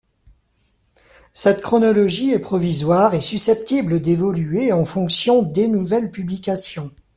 Cette chronologie est provisoire et susceptible d'évoluer en fonctions des nouvelles publications.